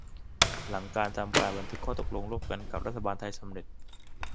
หลังการทำบันทึกข้อตกลงร่วมกันกับรัฐบาลไทยสำเร็จ